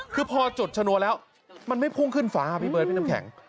คือพอจุดชนวนแล้วมันไม่พุ่งขึ้นฟ้าพี่เบิร์ดพี่น้ำแข็ง